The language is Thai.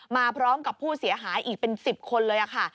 มาพร้อมกับผู้เสียหายอีกเป็น๑๐คนเลยค่ะ